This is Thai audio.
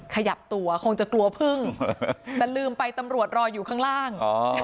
ขยับตัวคงจะกลัวพึ่งแต่ลืมไปตำรวจรออยู่ข้างล่าง